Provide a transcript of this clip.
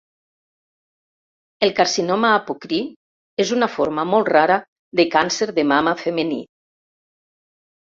El carcinoma apocrí és una forma molt rara de càncer de mama femení.